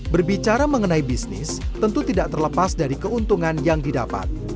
berbicara mengenai bisnis tentu tidak terlepas dari keuntungan yang didapat